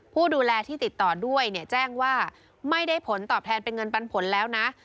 ผู้ดูแลที่ติดต่อด้วยเนี่ยแจ้งว่าไม่ได้ผลตอบแทนเป็นเงินปันผลแล้วนะ